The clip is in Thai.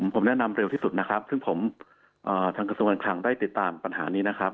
ผมแนะนำเร็วที่สุดนะครับซึ่งผมทางกระทรวงการคลังได้ติดตามปัญหานี้นะครับ